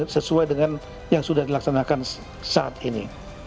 sesuai dengan yang sudah dilaksanakan saat ini